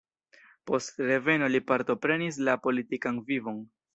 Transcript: Post reveno li partoprenis la politikan vivon.